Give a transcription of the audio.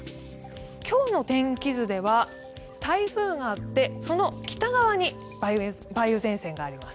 今日の天気図では台風があって、その北側に梅雨前線があります。